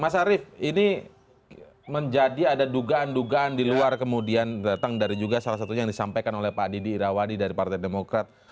mas arief ini menjadi ada dugaan dugaan di luar kemudian datang dari juga salah satunya yang disampaikan oleh pak didi irawadi dari partai demokrat